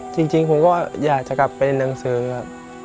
จริงผมก็อยากจะกลับไปเรียนหนังสือครับ